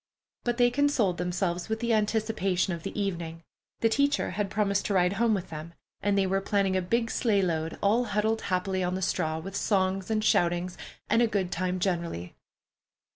But they consoled themselves with the anticipation of the evening. The teacher had promised to ride home with them, and they were planning a big sleigh load, all huddled happily on the straw, with songs and shoutings and a good time generally.